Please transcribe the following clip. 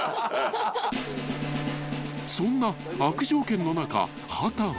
［そんな悪条件の中秦は］